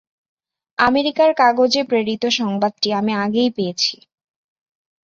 আমেরিকার কাগজে প্রেরিত সংবাদটি আমি আগেই পেয়েছি।